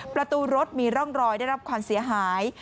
ประตูรถมีร่องรอยได้รับความเสียหาย